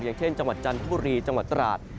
อย่างเช่นจังหวัดจันทบุรีจังหวัดตราด